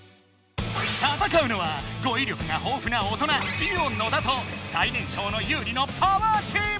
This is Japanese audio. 戦うのは語い力がほうふな大人ジオ野田と最年少のユウリのパワーチーム！